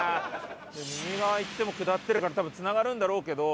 右側行っても下ってるから多分つながるんだろうけど。